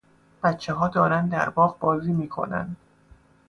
بچهها دارند در باغ بازی میکنند.